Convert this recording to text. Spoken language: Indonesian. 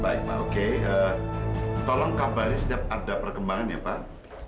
baik pak oke tolong kabari setiap ada perkembangan ya pak